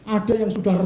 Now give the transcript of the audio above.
ada yang sudah retak